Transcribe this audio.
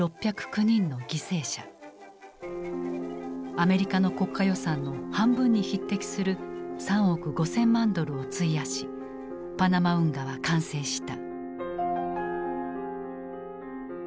アメリカの国家予算の半分に匹敵する３億５，０００万ドルを費やしパナマ運河は完成した。